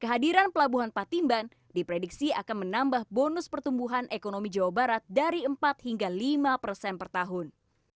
kehadiran pelabuhan patimban diprediksi akan menambah bonus pertumbuhan ekonomi jawa barat dari empat hingga lima persen per tahun